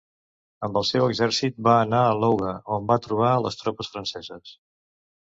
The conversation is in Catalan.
Amb el seu exèrcit, va anar a Louga, on va trobar les tropes franceses.